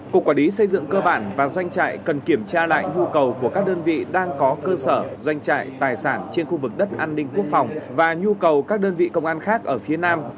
cục quản lý xây dựng cơ bản và doanh trại cần kiểm tra lại nhu cầu của các đơn vị đang có cơ sở doanh trại tài sản trên khu vực đất an ninh quốc phòng và nhu cầu các đơn vị công an khác ở phía nam